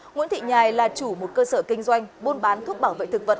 nguyễn thị nhài là chủ một cơ sở kinh doanh buôn bán thuốc bảo vệ thực vật